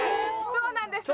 そうなんです。